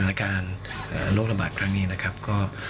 สถานการณ์โรคระบาดครั้งนี้นะครับก็